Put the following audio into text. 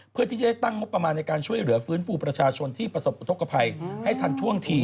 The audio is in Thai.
เพื่อที่จะได้ตั้งงบประมาณในการช่วยเหลือฟื้นฟูประชาชนที่ประสบอุทธกภัยให้ทันท่วงที